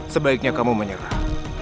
sebaiknya kamu menyerah